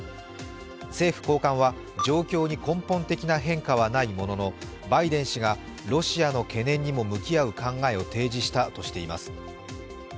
政府高官は、状況に根本的な変化はないもののバイデン氏がロシアの懸念にも向き合う考えを提示したとしています。